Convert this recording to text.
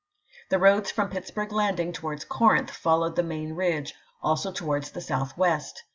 The roads from Pittsburg Landing towards Corinth fol lowed the main ridge, also towards the southwest.